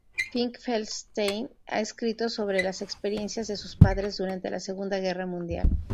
Finkelstein ha escrito sobre las experiencias de sus padres durante la Segunda Guerra Mundial.